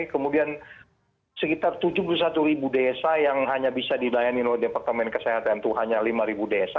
kemudian sekitar tujuh puluh satu ribu desa yang hanya bisa dilayani oleh departemen kesehatan itu hanya lima desa